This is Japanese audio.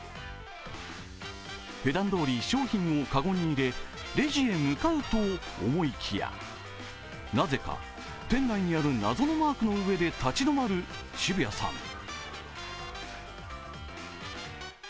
ふだんどおり商品を籠に入り、レジに向かうと思いきやなぜか店内にある謎のマークの上で立ち止まる渋谷さん。